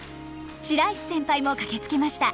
白石先輩も駆けつけました。